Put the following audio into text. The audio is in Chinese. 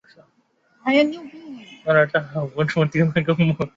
杰克曼在各类电影中的角色获得国际认可。